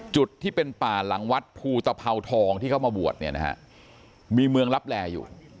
จุดที่เป็นป่าหลังวัดภูตภาวทองที่เข้ามาบวชเนี่ยนะฮะมีเมืองลับแลอยู่